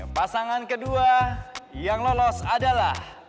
pasangan kedua yang lolos adalah